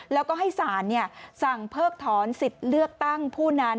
แล้วก็ให้สารสั่งเพิกถอนสิทธิ์เลือกตั้งผู้นั้น